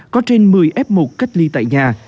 có trên một mươi f một cách ly tại nhà